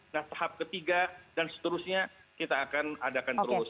nah tahap ketiga dan seterusnya kita akan adakan terus